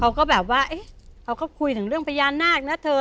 เขาก็แบบว่าเอ๊ะเขาก็คุยถึงเรื่องพญานาคนะเธอ